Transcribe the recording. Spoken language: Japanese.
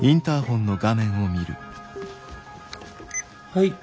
はい。